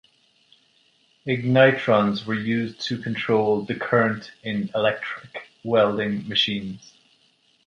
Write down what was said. Ignitrons were used to control the current in electric welding machines.